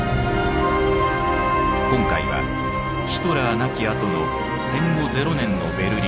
今回はヒトラー亡き後の戦後ゼロ年のベルリン。